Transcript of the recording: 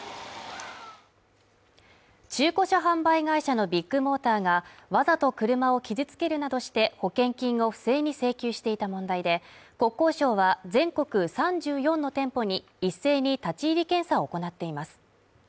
中古車販売会社のビッグモーターがわざと車を傷つけるなどして保険金を不正に請求していた問題で国交省は全国３４の店舗に一斉に立ち入り検査を行っています